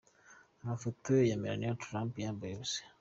Amafoto ya Melanie Trump yambaye ubusa.